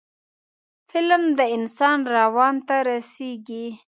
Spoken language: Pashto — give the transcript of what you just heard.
فلم د انسان روان ته رسیږي